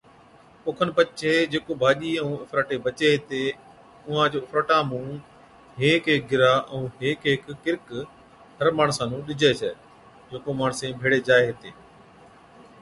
اوکن پڇي جڪو ڀاڄِي ائُون اُڦراٽي بچي ھِتي اُونھانچ اُڦراٽان مُون ھيڪ ھيڪ گرِھا ائُون ھيڪ ھيڪ ڪِرڪ ھر ماڻسا نُون ڏِجَي ڇَي (جڪو ماڻسين ڀيڙي جائي هِتين)